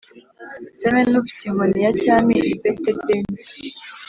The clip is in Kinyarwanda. ntsembe n’ufite inkoni ya cyami i Betedeni,